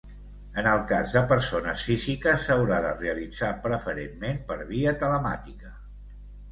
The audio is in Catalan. En el cas de persones físiques s'haurà de realitzar preferentment per via telemàtica.